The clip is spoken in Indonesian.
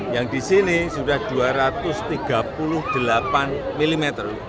yang di sini sudah dua ratus tiga puluh delapan mm